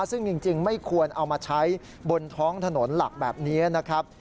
ซึ่งจริงไม่ควรเอามาใช้บนท้องถนนหลักแบบนี้นะครับ